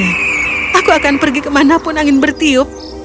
aku akan pergi kemanapun angin bertiup